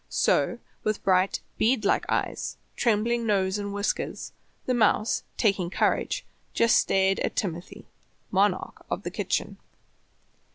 So, with bright, bead like eyes, trembling nose and whiskers, the mouse, taking courage, just stared at Timothy, monarch of the kitchen.